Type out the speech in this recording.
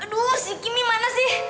aduh si kimi mana sih